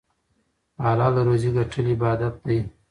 حلاله روزي ګټل عبادت دی.